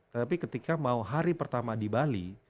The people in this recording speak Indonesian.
tapi ketika mau hari pertama di bali